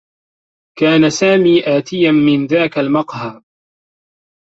كان سامي آتيًا من ذاك المقهى.